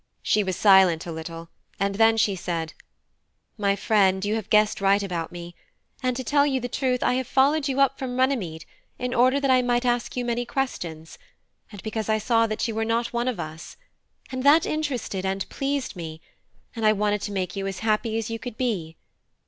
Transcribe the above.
She was silent a little, and then she said: "My friend, you have guessed right about me; and to tell you the truth I have followed you up from Runnymede in order that I might ask you many questions, and because I saw that you were not one of us; and that interested and pleased me, and I wanted to make you as happy as you could be.